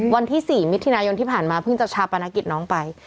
วันที่๔มิถุนายนที่ผ่านมาเพิ่งจะชาปนกิจน้องไป